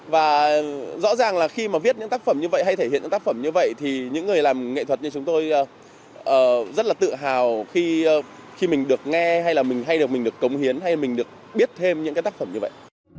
và rõ ràng là khi mà viết những tác phẩm như vậy hay thể hiện những tác phẩm như vậy thì những người làm nghệ thuật như chúng tôi rất là tự hào khi mình được nghe hay là mình hay được mình được cống hiến hay mình được biết thêm những cái tác phẩm như vậy